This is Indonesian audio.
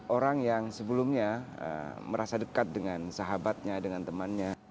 orang yang sebelumnya merasa dekat dengan sahabatnya dengan temannya